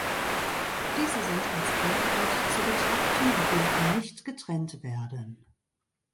Diese sind als Einheit zu betrachten und dürfen nicht getrennt werden.